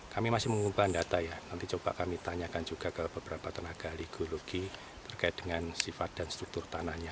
kami masih mengumpulkan data ya nanti coba kami tanyakan juga ke beberapa tenaga likologi terkait dengan sifat dan struktur tanahnya